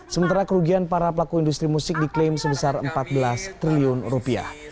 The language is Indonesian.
sementara kerugian para pelaku industri musik diklaim sebesar empat belas triliun rupiah